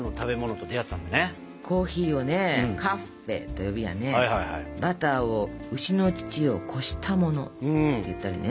コーヒーを「カッフェー」と呼びやねバターを「牛の乳をこしたもの」っていったりね。